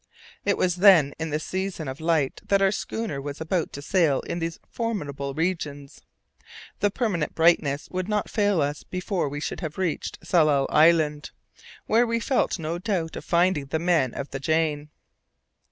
It was then in the season of light that our schooner was about to sail in these formidable regions. The permanent brightness would not fail us before we should have reached Tsalal Island, where we felt no doubt of finding the men of the Jane.